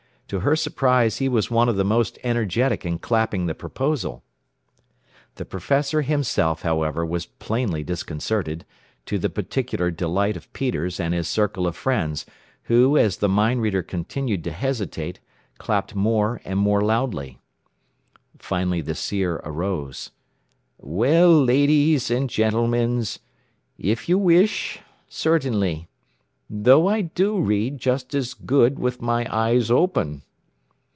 To her surprise he was one of the most energetic in clapping the proposal. The professor himself, however, was plainly disconcerted, to the particular delight of Peters and his circle of friends, who, as the mind reader continued to hesitate, clapped more and more loudly. Finally the seer arose. "Well, ladees and gentlemans, if you wish, certainly. Though I do read just as good with my eyes open."